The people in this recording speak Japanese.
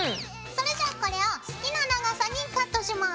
それじゃあこれを好きな長さにカットします。